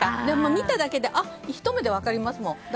でも見ただけでひと目で分かりますもん。